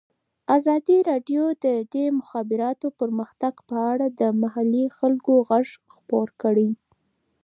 ازادي راډیو د د مخابراتو پرمختګ په اړه د محلي خلکو غږ خپور کړی.